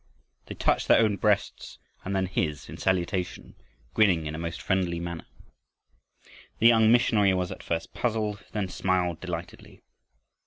They touched their own breasts and then his, in salutation, grinning in a most friendly manner. The young missionary was at first puzzled, then smiled delightedly.